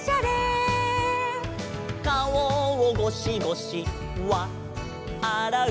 「かおをごしごしわっあらう」「」